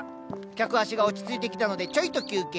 客足が落ち着いてきたのでちょいと休憩。